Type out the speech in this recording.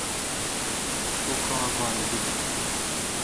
تو کاں گن بیل۔